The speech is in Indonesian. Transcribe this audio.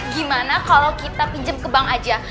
gimana kalau kita pinjam ke bank aja